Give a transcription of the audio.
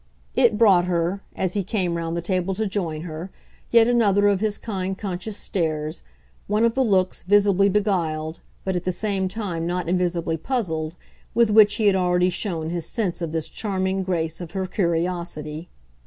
It brought her, as he came round the table to join her, yet another of his kind conscious stares, one of the looks, visibly beguiled, but at the same time not invisibly puzzled, with which he had already shown his sense of this charming grace of her curiosity.